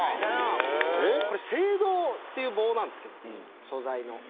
これ青銅っていう棒なんですけども素材の。